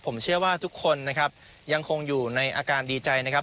ผมเชื่อว่าทุกคนนะครับยังคงอยู่ในอาการดีใจนะครับ